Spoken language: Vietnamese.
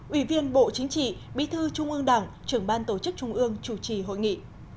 ủy viên bộ chính trị bí thư trung ương đảng trưởng ban tổ chức trung ương chủ trì hội nghị